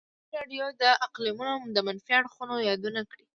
ازادي راډیو د اقلیتونه د منفي اړخونو یادونه کړې.